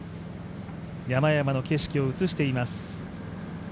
山々の景色を映しています。